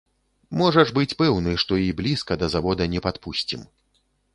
Можаш быць пэўны, што і блізка да завода не падпусцім.